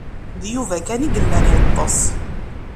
D Yuba kan i yellan yeṭṭes.